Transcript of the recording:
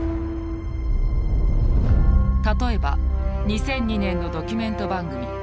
例えば２００２年のドキュメント番組。